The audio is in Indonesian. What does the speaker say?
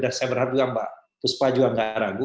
dan saya berharap juga mbak puspa juga tidak ragu